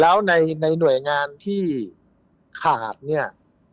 แล้วในหน่วยงานที่ขาดเนี่ย